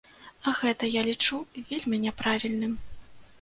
Гэта я лічу вельмі няправільным.